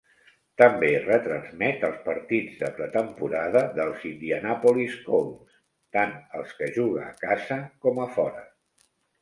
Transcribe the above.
També retransmet els partits de pretemporada dels Indianapolis Colts, tant els que juga a casa com a fora.